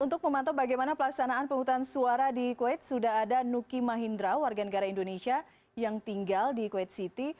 untuk memantau bagaimana pelaksanaan penghutang suara di kuwait sudah ada nuki mahendra warga negara indonesia yang tinggal di kuwait city